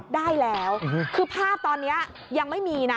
ได้แล้วคือภาพตอนนี้ยังไม่มีนะ